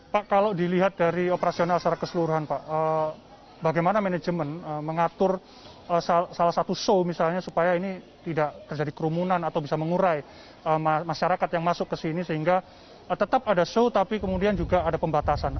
pak kalau dilihat dari operasional secara keseluruhan pak bagaimana manajemen mengatur salah satu show misalnya supaya ini tidak terjadi kerumunan atau bisa mengurai masyarakat yang masuk ke sini sehingga tetap ada show tapi kemudian juga ada pembatasan